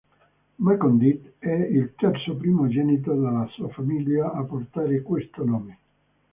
Macon Dead è il terzo primogenito della sua famiglia a portare questo nome.